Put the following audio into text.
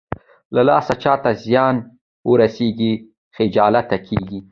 له لاسه چاته زيان ورسېږي خجالته کېږي.